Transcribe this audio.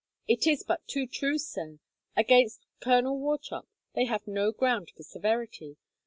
"It is but too true, sir. Against Colonel Wauchop they have no ground for severity.